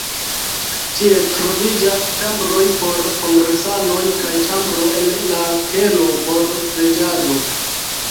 Tie troviĝas ĉambroj por kongresanoj kaj ĉambro en la kelo por preĝado.